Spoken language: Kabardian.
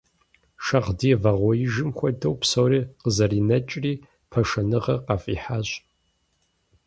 Шагъдий вагъуэижым хуэдэу псори къызэринэкӀри, пашэныгъэр къафӀихьащ.